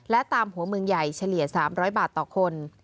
และตามหัวเมืองใหญ่เฉลี่ย๓๐๐บาทต่อคน